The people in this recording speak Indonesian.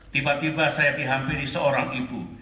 tiba tiba saya dihampiri seorang ibu